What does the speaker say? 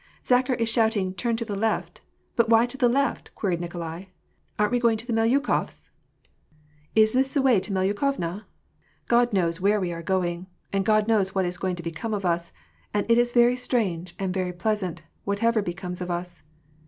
"Zakhar is shouting, 'turn to the left;' but why to the left ?" queried Nikolai. " Aren't we going to the Melyukofs' ? WAR AND P:EACE. 296 Is this the way to Melyukovka ? God knows where we are going, and God knows what is going to become of us, and it is very strange and very pleasant, whatever becomes of us."